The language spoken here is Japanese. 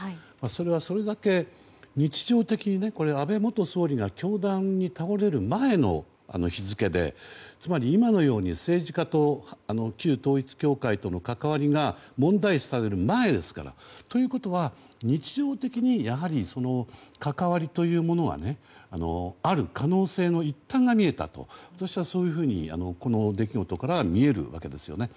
それはそれだけ日常的に安倍元総理が凶弾に倒れる前の日付で、つまり今のように政治家と旧統一教会との関わりが問題視される前ですから。ということは日常的に関わりというものはある可能性の一端が見えたとそういうふうに、この出来事から見えるわけですよね。